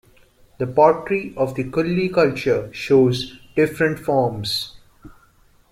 The pottery of the Kulli culture shows different forms.